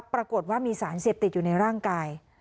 ปรากฏว่ามีสารเสพติดอยู่ในร่างกาย